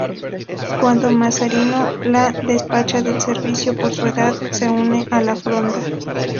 Cuando Mazarino le despacha del servicio por su edad, se une a la Fronda.